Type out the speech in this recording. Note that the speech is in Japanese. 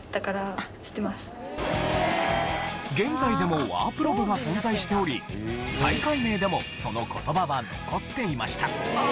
現在でもワープロ部が存在しており大会名でもその言葉は残っていました。